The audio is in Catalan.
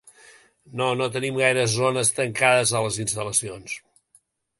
No, no tenim gaires zones tancades a les instal·lacions.